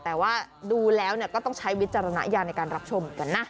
แต่ว่าดูแล้วก็ต้องใช้วิจารณญาณในการรับชมเหมือนกันนะ